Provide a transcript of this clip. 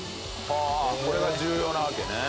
はあこれが重要なわけね。